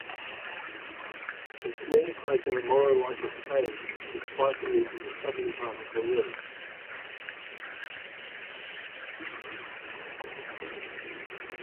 The small crater Maurolycus A is biting into the southern part of the rim.